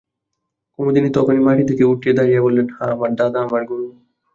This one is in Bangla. কুমুদিনী তখনই মাটি থেকে উঠে দাঁড়িয়ে বললে, হ্যাঁ, আমার দাদা আমার গুরু।